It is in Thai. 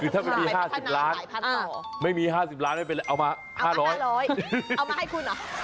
คือถ้าไม่มี๕๐ล้านไม่มี๕๐ล้านไม่เป็นไรเอามา๕๐๐เอามาให้คุณเหรอ